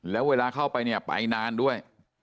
แล้วเวลาเข้าไปเนี่ยไปนานด้วย